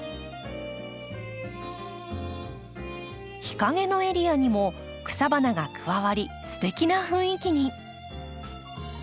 日陰のエリアにも草花が加わりすてきな雰囲気に。